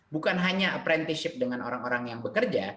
bukan hanya apprentiship dengan orang orang yang bekerja